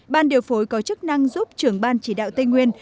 ban điều phối có chức năng giúp trưởng ban chỉ đạo tây nguyên